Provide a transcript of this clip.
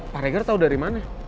pak reger tahu dari mana